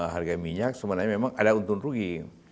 harga minyak sebenarnya memang ada untung rugi